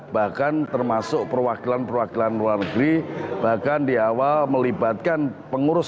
bahkan termasuk perwakilan perwakilan luar negeri bahkan di awal melibatkan pengurus